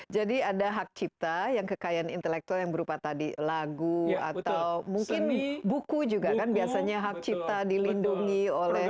jadi ada hak cipta yang kekayaan intelektual yang berupa tadi lagu atau mungkin buku juga kan biasanya hak cipta dilindungi oleh